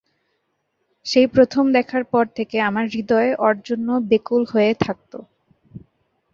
সেই প্রথম দেখার পর থেকে আমার হৃদয় ওর জন্য ব্যাকুল হয়ে থাকত।